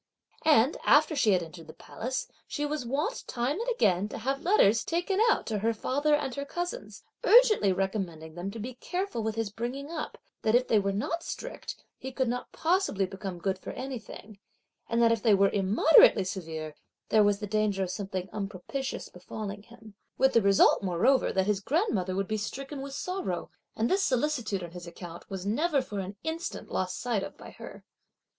And after she had entered the Palace, she was wont time and again to have letters taken out to her father and her cousins, urgently recommending them to be careful with his bringing up, that if they were not strict, he could not possibly become good for anything, and that if they were immoderately severe, there was the danger of something unpropitious befalling him, with the result, moreover, that his grandmother would be stricken with sorrow; and this solicitude on his account was never for an instant lost sight of by her.